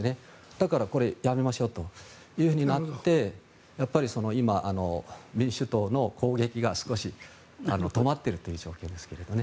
だからこれ、やめましょうとなってやっぱり今、民主党の攻撃が少し止まっているという状況ですけどね。